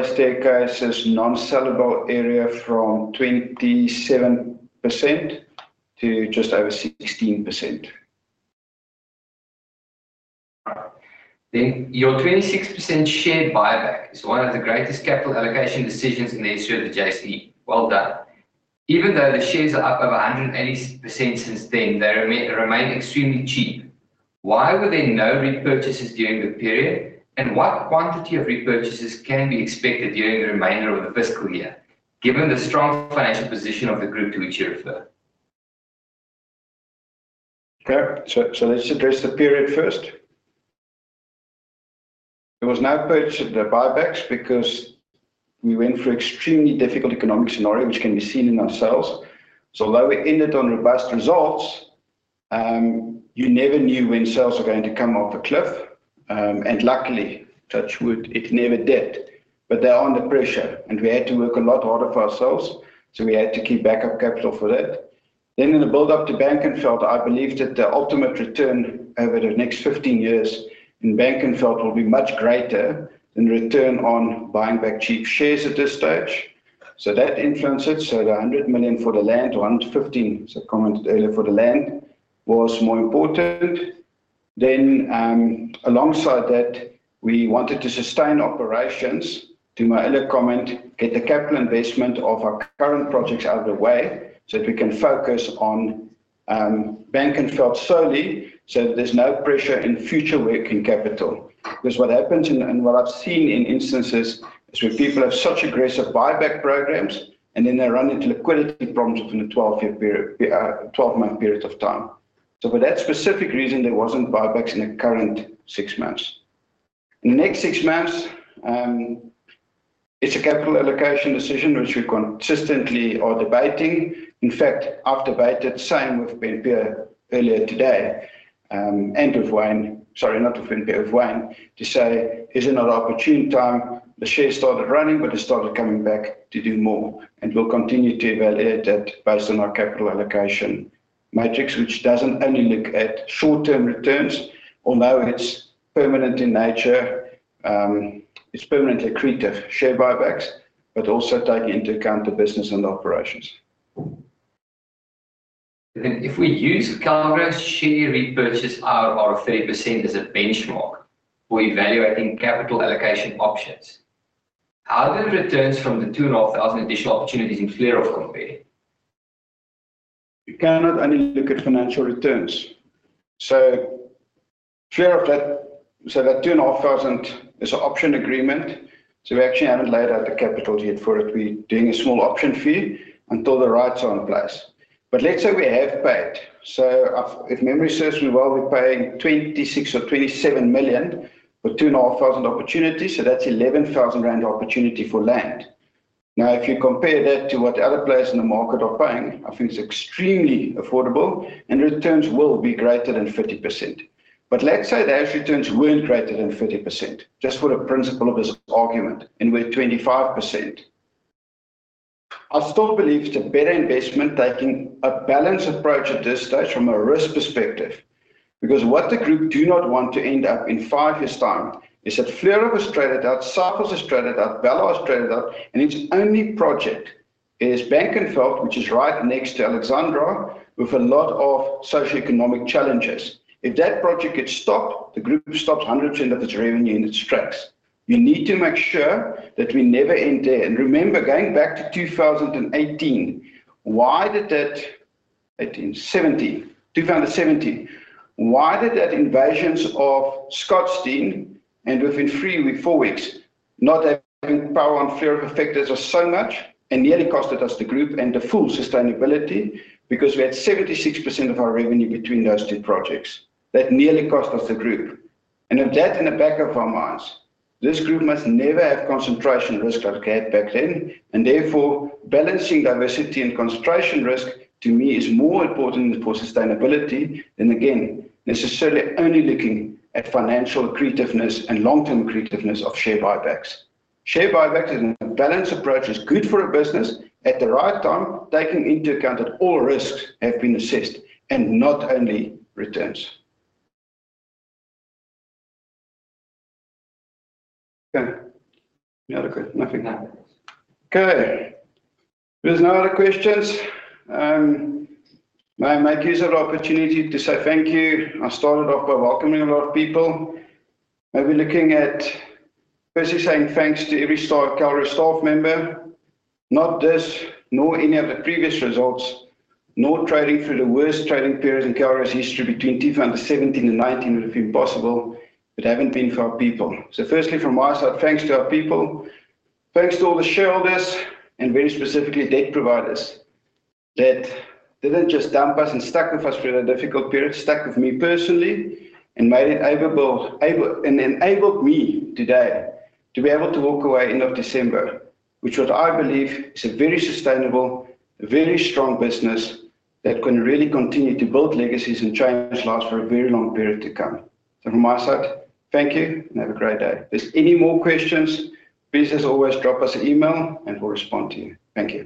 B: staircases, non-sellable area from 27% to just over 16%. Then your 26% share buyback is one of the greatest capital allocation decisions in the history of the JSE. Well done. Even though the shares are up over 180% since then, they remain extremely cheap. Why were there no repurchases during the period, and what quantity of repurchases can be expected during the remainder of the fiscal year, given the strong financial position of the group to which you refer? Okay, so, so let's address the period first. There was no purchase of the buybacks because we went through extremely difficult economic scenario, which can be seen in our sales. So although we ended on robust results, you never knew when sales were going to come off a cliff. And luckily, touch wood, it never did. But they are under pressure, and we had to work a lot harder for our sales, so we had to keep backup capital for that. Then in the build-up to Frankenveld, I believed that the ultimate return over the next 15 years in Frankenveld will be much greater than return on buying back cheap shares at this stage. So that influenced it. So the 100 million for the land, or 115 million, as I commented earlier, for the land, was more important. Then, alongside that, we wanted to sustain operations, to my earlier comment, get the capital investment of our current projects out of the way, so that we can focus on Frankenwald solely, so there's no pressure in future working capital. Because what happens and, and what I've seen in instances, is where people have such aggressive buyback programs, and then they run into liquidity problems within a twelfth year period, twelve-month period of time. So for that specific reason, there wasn't buybacks in the current six months. In the next six months, it's a capital allocation decision, which we consistently are debating. In fact, I've debated same with Ben-Pierre earlier today. Sorry, not with Ben-Pierre, with Warren, to say, "Is it not an opportune time? The shares started running, but they started coming back to do more," and we'll continue to evaluate that based on our capital allocation matrix, which doesn't only look at short-term returns, although it's permanent in nature. It's permanently accretive share buybacks, but also taking into account the business and operations. Then if we use Calgro's share repurchase IRR of 30% as a benchmark for evaluating capital allocation options, how do the returns from the 2,500 additional opportunities in Fleurhof compare? You cannot only look at financial returns. So Fleurhof of that, so 2,500 is an option agreement, so we actually haven't laid out the capital yet for it. We're doing a small option fee until the rights are in place. But let's say we have paid, so if memory serves me well, we're paying 26 or 27 million for 2,500 opportunities, so that's 11,000 rand opportunity for land. Now, if you compare that to what other players in the market are paying, I think it's extremely affordable, and returns will be greater than 30%. But let's say those returns weren't greater than 30%, just for the principle of this argument, and we're at 25%. I still believe it's a better investment, taking a balanced approach at this stage from a risk perspective. Because what the group do not want to end up in five years' time is that Fleurhof is traded out, Cycles is traded out, Belhar is traded out, and its only project is Frankenwald, which is right next to Alexandra, with a lot of socioeconomic challenges. If that project gets stopped, the group stops 100% of its revenue in its tracks. We need to make sure that we never end there. Remember, going back to 2017, why did those invasions of Scottsdene, and within three or four weeks, not having power on Fleurhof affected us so much, and nearly costed us the group and the full sustainability, because we had 76% of our revenue between those two projects. That nearly cost us the group. With that in the back of our minds, this group must never have concentration risk like we had back then, and therefore, balancing diversity and concentration risk, to me, is more important for sustainability than, again, necessarily only looking at financial accretiveness and long-term accretiveness of share buybacks. Share buyback is a balanced approach, is good for a business at the right time, taking into account that all risks have been assessed and not only returns. Okay. Any other question? Nothing? No. Okay. There's no other questions. May I make use of the opportunity to say thank you. I started off by welcoming a lot of people. Maybe looking at firstly saying thanks to every Calgro staff member. Not this, nor any of the previous results, nor trading through the worst trading periods in Calgro's history between 2017 and 2019 would have been possible, it haven't been for our people. So firstly, from my side, thanks to our people, thanks to all the shareholders, and very specifically, debt providers that didn't just dump us and stuck with us through the difficult period, stuck with me personally, and made it able and enabled me today to be able to walk away end of December, which what I believe is a very sustainable, very strong business that can really continue to build legacies and change lives for a very long period to come. So from my side, thank you, and have a great day. If there's any more questions, please, as always, drop us an email and we'll respond to you. Thank you.